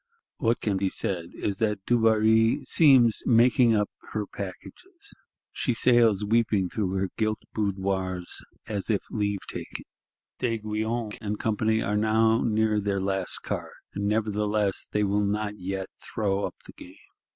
What can be said is, that Dubarry seems making up her packages; she sails weeping through her gilt boudoirs, as if taking leave. D'Aiguilon and Company are near their last card; nevertheless they will not yet throw up the game.